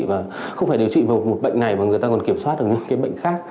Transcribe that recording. và không phải điều trị vào một bệnh này mà người ta còn kiểm soát được một cái bệnh khác